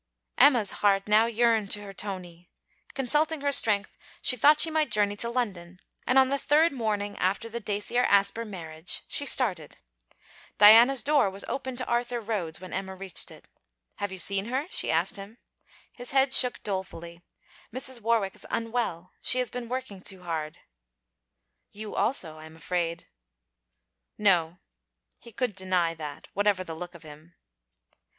Emma's heart now yearned to her Tony: Consulting her strength, she thought she might journey to London, and on the third morning after the Dacier Asper marriage, she started. Diana's door was open to Arthur Rhodes when Emma reached it. 'Have you seen her?' she asked him. His head shook dolefully. 'Mrs. Warwick is unwell; she has been working too hard.' 'You also, I'm afraid.' 'No.' He could deny that, whatever the look of him.